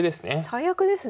最悪ですね。